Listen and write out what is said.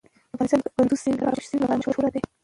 افغانستان د کندز سیند لپاره مشهور دی.